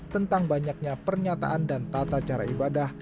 tentang banyaknya pernyataan dan tata cara ibadah